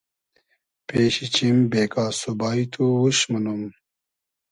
پېشی چیم بېگا سوبای تو اوش مونوم